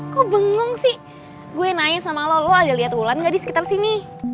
kok bengong sih gue yang nanya sama lo lo ada liat ulan gak disekitar sini